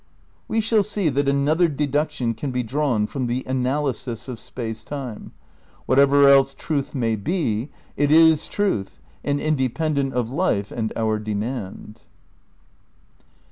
We shall see that another deduction can be drawn from the analysis of space time: whatever else truth may be, it is truth and independent of life and our demand.